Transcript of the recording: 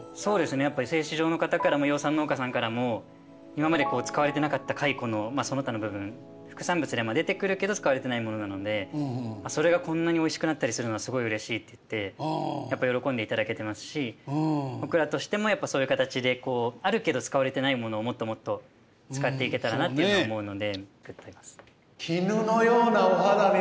やっぱり製糸場の方からも養蚕農家さんからも今まで使われてなかった蚕のその他の部分副産物でも出てくるけど使われてないものなのでそれがこんなにおいしくなったりするのはすごいうれしいって言ってやっぱ喜んでいただけてますし僕らとしてもやっぱそういう形であるけど使われてないものをもっともっと使っていけたらなって思うので。